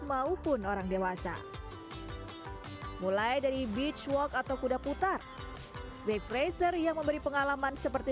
maupun orang dewasa mulai dari beach walk atau kuda putar wave pressure yang memberi pengalaman seperti